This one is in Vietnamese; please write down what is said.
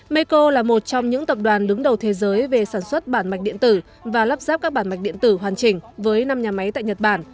mikko là một trong những tập đoàn đứng đầu thế giới về sản xuất bảng mạch điện tử và lắp dắp các bảng mạch điện tử hoàn chỉnh với năm nhà máy tại nhật bản